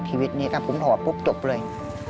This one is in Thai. ชีวิตนี้ถ้าผมหอบปุ๊บจบเลย